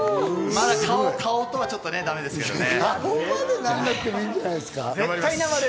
まだ顔とはちょっとだめですけどね。